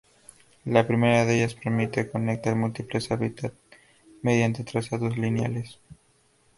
La primera de ellas permite conectar múltiples hábitat mediante trazados lineales.